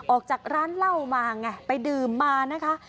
ออกจากร้านเหล้ามาไงไปดื่มมานะคะ